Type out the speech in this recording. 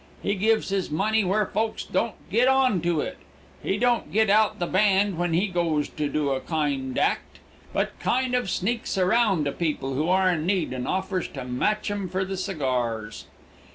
He gives his money where folks don't git on to it. He don't git out the band when he goes to do a kind act, but kind of sneaks around to people who are in need, and offers to match 'em fer the cigars.